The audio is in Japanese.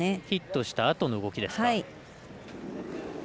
ヒットしたあとの動きですか。